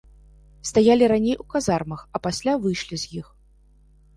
Стаялі раней у казармах, а пасля выйшлі з іх.